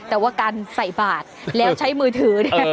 แต่ว่าการใส่บาทแล้วใช้มือถือเนี่ย